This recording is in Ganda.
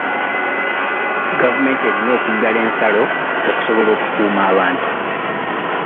Gavumenti erina okuggala ensalo okusobola okukuuma abantu.